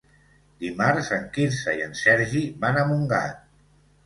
Dimarts en Quirze i en Sergi van a Montgat.